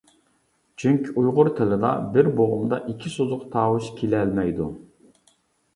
چۈنكى، ئۇيغۇر تىلىدا بىر بوغۇمدا ئىككى سوزۇق تاۋۇش كېلەلمەيدۇ.